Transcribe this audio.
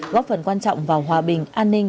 góp phần quan trọng vào hòa bình an ninh